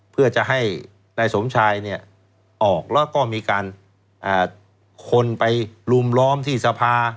เพื่อจะให้นายสมชายเนี่ยออกแล้วก็มีการคนไปลุมล้อมที่สภา